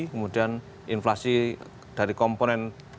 kemudian inflasi dari komponen